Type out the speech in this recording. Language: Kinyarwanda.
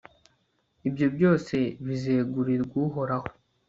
ibyo byose bizegurirwa uhoraho